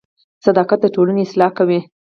• صداقت د ټولنې اصلاح کوي.